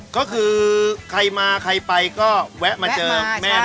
ก็คือใครมาใครไปก็แวะมาเจอแม่ได้